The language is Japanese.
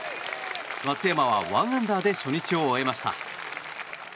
松山は１アンダーで初日を終えました。